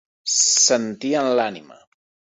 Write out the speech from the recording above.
Sentir en l'ànima.